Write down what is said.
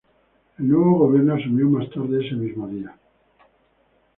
El nuevo gobierno asumió más tarde ese mismo día.